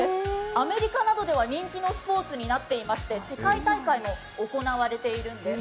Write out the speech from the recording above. アメリカなどでは人気のスポーツになっていまして世界大会も行われているんです。